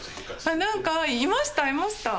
あなんかいましたいました。